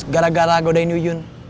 terus gara gara godain yuyun